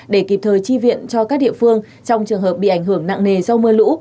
để kịp thời tri viện cho các địa phương trong trường hợp bị ảnh hưởng nặng nề do mưa lũ